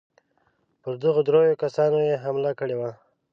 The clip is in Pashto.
پر دغو درېو کسانو یې حمله کړې وه.